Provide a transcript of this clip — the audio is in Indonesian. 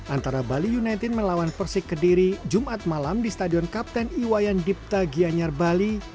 antara bali united melawan persik kediri jumat malam di stadion kapten iwayan dipta gianyar bali